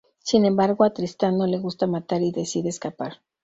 Sin embargo, a Tristán no le gusta matar y decide escapar.